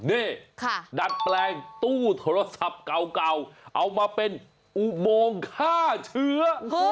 นี่ดัดแปลงตู้โทรศัพท์เก่าเอามาเป็นอุโมงฆ่าเชื้อ